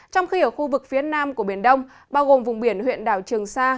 trong khi ở khu vực phía nam của biển đông bao gồm vùng biển huyện đảo trường sa